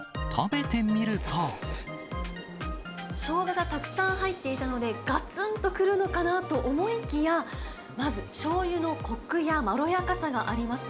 ショウガがたくさん入っていたので、がつんと来るのかなと思いきや、まずしょうゆのこくやまろやかさがあります。